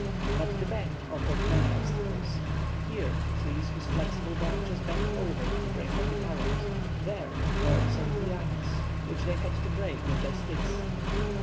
But the bank offered many obstacles. Here, trees whose flexible branches bent over to the brink of the current; there, thorns and lianas which they had to break with their sticks.